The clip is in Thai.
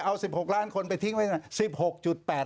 เอา๑๖ล้านคนไปทิ้งไว้๑๖๘